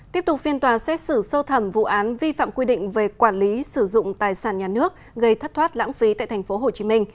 tiếp tục phiên tòa xét xử sâu thẩm vụ án vi phạm quy định về quản lý sử dụng tài sản nhà nước gây thất thoát lãng phí tại tp hcm